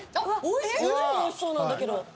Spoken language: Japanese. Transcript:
おいしそうなんだけど。